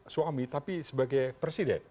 suami tapi sebagai presiden